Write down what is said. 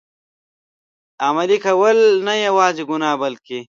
عملي کول، نه یوازي ګناه بلکه.